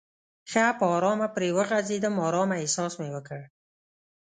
ښه په آرامه پرې وغځېدم، آرامه احساس مې وکړ.